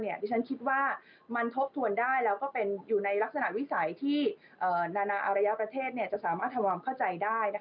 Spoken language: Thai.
ดิฉันคิดว่ามันทบทวนได้แล้วก็เป็นอยู่ในลักษณะวิสัยที่นานาอารยประเทศจะสามารถทำความเข้าใจได้